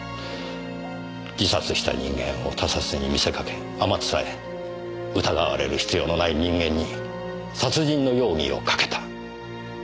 自殺した人間を他殺に見せかけあまつさえ疑われる必要のない人間に殺人の容疑をかけた。